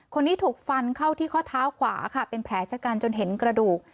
คนนี้ถูกฟันเข้าที่ข้อเท้าขวาค่ะเป็นแผลชะกันจนเห็นกระดูก